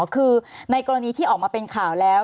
คือในกรณีที่ออกมาเป็นข่าวแล้ว